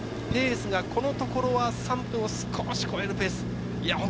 ペースがこのところは３分を少し超えるペース。